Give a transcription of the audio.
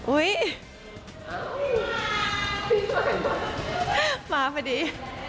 อุ๊ยมาพอดี